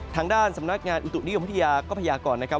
ทางด้านสำนักงานอุตุนิยมพัทยาก็พยากรนะครับ